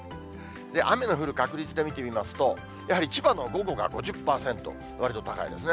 雨の降る確率で見てみますと、やはり千葉の午後が５０％、わりと高いですね。